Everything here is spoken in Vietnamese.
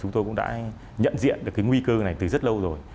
chúng tôi cũng đã nhận diện được cái nguy cơ này từ rất lâu rồi